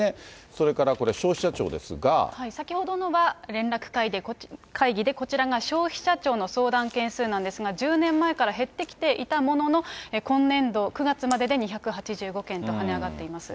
それからこれ、先ほどのは連絡会議で、こちらが消費者庁の相談件数なんですが、１０年前から減ってきていたものの、今年度、９月までで２８５件とはね上がっています。